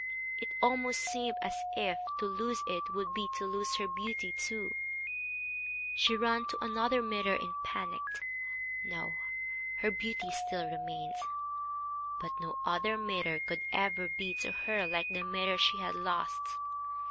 It almost seemed as if to lose it would be to lose her beauty too. She ran to another mirror in panic. No! her beauty still remained. But no other mirror could ever be to her like the mirror she had lost.